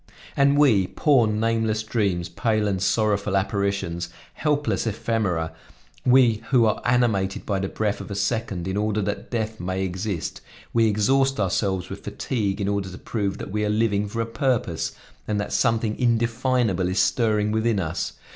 And we, poor nameless dreams, pale and sorrowful apparitions, helpless ephemera, we who are animated by the breath of a second, in order that death may exist, we exhaust ourselves with fatigue in order to prove that we are living for a purpose, and that something indefinable is stirring within us.